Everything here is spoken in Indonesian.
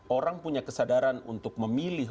orang punya kesadaran untuk memilih